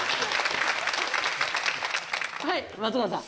はい松岡さん。